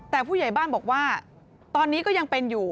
แต่ผู้ใหญ่บ้านบอกว่าตอนนี้ก็ยังเป็นอยู่